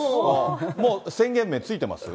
もう宣言名付いてます？